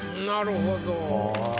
なるほど。